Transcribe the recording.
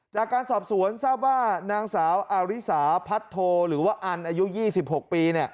จากการสอบสวนทราบว่านางสาวอาริสาพัทโทหรือว่าอันอายุ๒๖ปี